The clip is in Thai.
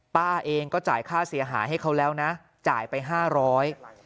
ป้าเองก็จ่ายค่าเสียหายให้เขาแล้วนะจ่ายไปห้าร้อย